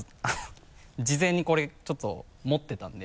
事前にこれちょっと持ってたので。